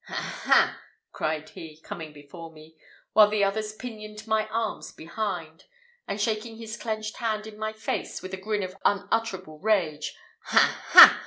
"Ha! ha!" cried he, coming before me, while the others pinioned my arms behind, and shaking his clenched hand in my face, with a grin of unutterable rage "Ha! ha!